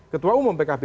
ketua umum pkb